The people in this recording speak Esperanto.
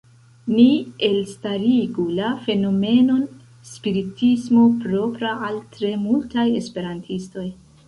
Ni elstarigu la fenomenon “spiritismo propra al tre multaj esperantistoj.